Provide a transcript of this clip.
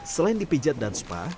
selain di pijat dan spa